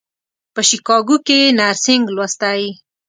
په شیکاګو کې یې نرسنګ لوستی.